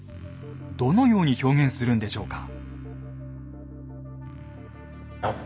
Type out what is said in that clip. どのように表現するんでしょうか。